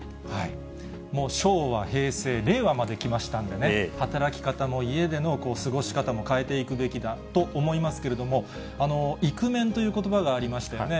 もう昭和、平成、令和まで来ましたんでね、働き方も、家での過ごし方も変えていくべきだと思いますけれども、イクメンということばがありましたよね。